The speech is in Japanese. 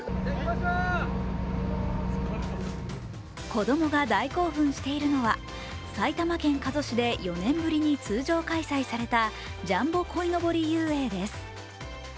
子供が大興奮しているのは埼玉県加須市で４年ぶりに通常開催されたジャンボこいのぼり遊泳です。